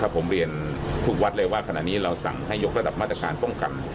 ผมเรียนทุกวัดเลยว่าขณะนี้เราสั่งให้ยกระดับมาตรการป้องกัน